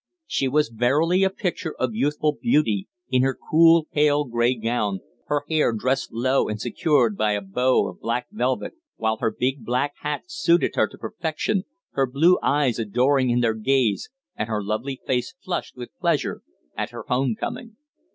She was verily a picture of youthful beauty, in her cool, pale grey gown, her hair dressed low, and secured by a bow of black velvet, while her big black hat suited her to perfection, her blue eyes adoring in their gaze and her lovely face flushed with pleasure at her home coming.